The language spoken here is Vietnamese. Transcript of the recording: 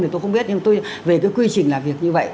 thì tôi không biết nhưng tôi về cái quy trình làm việc như vậy